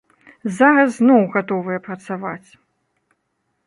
Зараз зноў гатовыя працаваць!